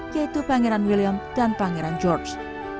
yaitu pangeran william dan pangeran george